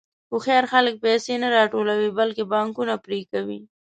هوښیار خلک پیسې نه راټولوي، بلکې پانګونه پرې کوي.